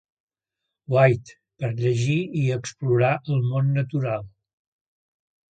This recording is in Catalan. White, per llegir i explorar el món natural.